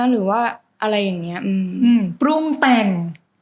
หรือว่าอะไรอย่างนี้ปรุงแต่ง